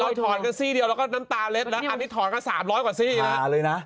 เราถอนกันซี่เดียวแล้วก็น้ำตาเล็ดนะอันนี้ถอนกัน๓๐๐กว่าซี่เนี่ยพาเลยนะ